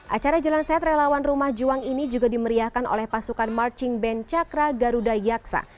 acara jalan sehat relawan rumah juang ini juga dimeriahkan oleh pasukan marching band cakra garuda yaksa